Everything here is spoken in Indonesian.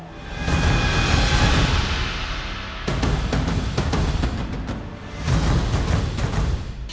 aku akan memaafkanmu